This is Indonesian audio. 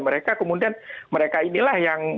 mereka kemudian mereka inilah yang